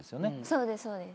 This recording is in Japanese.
そうですそうです。